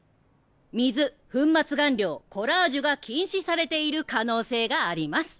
水粉末顔料コラージュが禁止されている可能性があります。